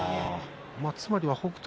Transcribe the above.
つまりは北勝